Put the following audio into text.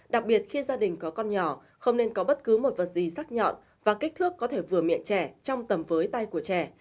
đặc biệt khi gia đình có con nhỏ không nên có bất cứ một vật gì xác nhọn và kích thước có thể vừa miệng trẻ trong tầm với tay của trẻ